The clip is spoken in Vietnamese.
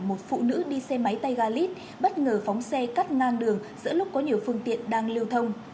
một phụ nữ đi xe máy tay galit bất ngờ phóng xe cắt ngang đường giữa lúc có nhiều phương tiện đang lưu thông